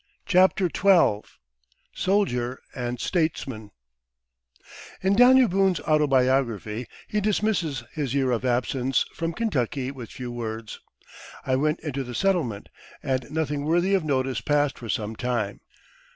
CHAPTER XII SOLDIER AND STATESMAN In Daniel Boone's "autobiography," he dismisses his year of absence from Kentucky with few words: "I went into the settlement, and nothing worthy of notice passed for some time."